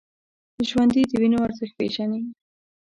ژوندي د وینو ارزښت پېژني